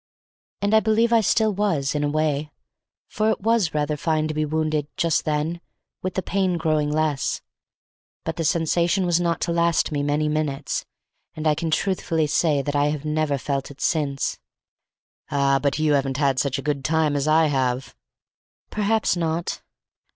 And I believe I still was, in a way; for it was rather fine to be wounded, just then, with the pain growing less; but the sensation was not to last me many minutes, and I can truthfully say that I have never felt it since. "Ah, but you haven't had such a good time as I have!" "Perhaps not."